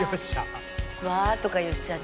「うわあ！」とか言っちゃって。